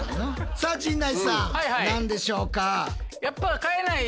さあ陣内さん何でしょうか？